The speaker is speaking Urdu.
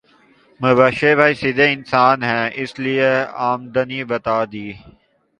مبشر بھائی سیدھے انسان ہے اس لیے امدنی بتا دی